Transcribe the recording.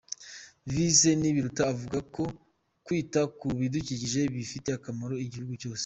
Visenti Biruta avuga ko kwita ku bidukikije bifitiye akamaro igihugu cyose.